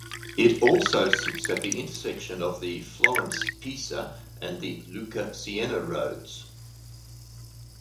It also sits at the intersection of the Florence-Pisa and the Lucca-Siena roads.